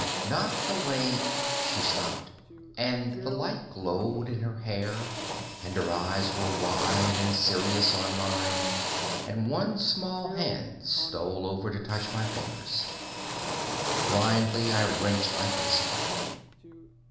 Not the way " She stopped, and the light glowed in her hair and her eyes were wide and serious on mine and one small hand stole over to touch my fingers. Blindly, I wrenched my face away.